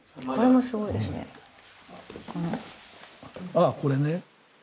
ああこれね。